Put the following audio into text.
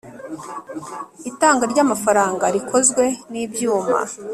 Itanga ry amafaranga rikozwe n ibyuma